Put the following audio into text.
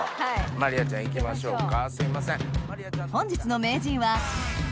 まりあちゃん行きましょうか。